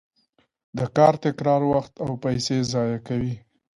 د کار تکرار وخت او پیسې ضایع کوي.